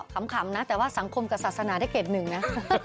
ขำนะแต่ว่าสังคมกับศาสนาได้เกรดหนึ่งนะ